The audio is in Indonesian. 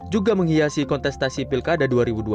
juga menghiasi kontestasi pilkada dua ribu dua puluh